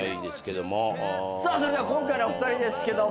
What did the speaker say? さあそれでは今回のお二人ですけども。